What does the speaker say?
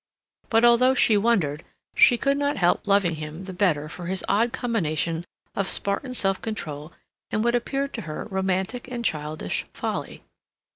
But although she wondered, she could not help loving him the better for his odd combination of Spartan self control and what appeared to her romantic and childish folly.